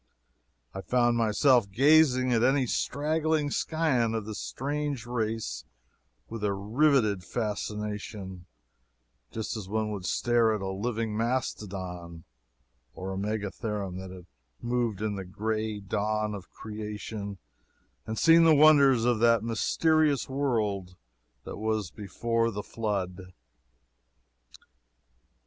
I found myself gazing at any straggling scion of this strange race with a riveted fascination, just as one would stare at a living mastodon, or a megatherium that had moved in the grey dawn of creation and seen the wonders of that mysterious world that was before the flood.